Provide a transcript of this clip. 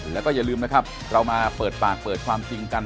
แล้วก็อย่าลืมนะครับเรามาเปิดปากเปิดความจริงกัน